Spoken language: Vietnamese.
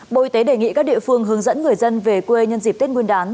bộ y tế đề nghị các địa phương hướng dẫn người dân về quê nhân dịp tết nguyên đán